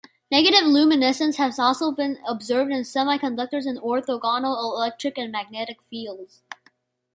Negative luminescence has also been observed in semiconductors in orthogonal electric and magnetic fields.